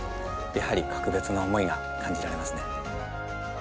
やはり格別な思いが感じられますね。